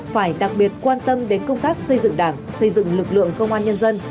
phải đặc biệt quan tâm đến công tác xây dựng đảng xây dựng lực lượng công an nhân dân